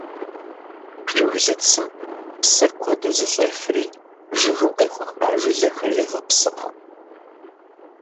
Жыглыцым псыр куэду зыщӀефри жыгым къехуэха жылэхэр егъэпсыӏэ.